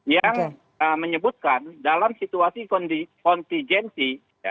yang menyebutkan dalam situasi kontingensi